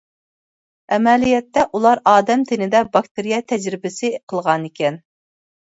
ئەمەلىيەتتە، ئۇلار ئادەم تېنىدە باكتېرىيە تەجرىبىسى قىلغانىكەن.